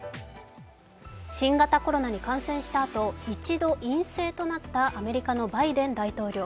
新型コロナに感染したあと、一度陰性となったアメリカのバイデン大統領。